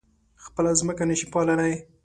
خپله ځمکه نه شي پاللی.